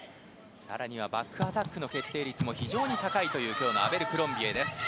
更にはバックアタックの決定率も非常に高い今日のアベルクロンビエです。